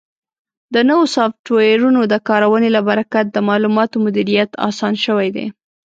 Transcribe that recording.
د نوو سافټویرونو د کارونې له برکت د معلوماتو مدیریت اسان شوی دی.